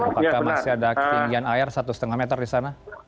apakah masih ada ketinggian air satu lima meter di sana